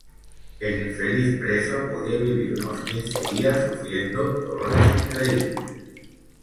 El infeliz preso podía vivir unos quince días sufriendo dolores increíbles.